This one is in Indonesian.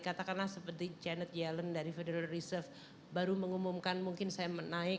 katakanlah seperti janet yellen dari federal reserve baru mengumumkan mungkin saya menaik